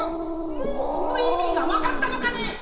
もうこのいみがわかったのかね？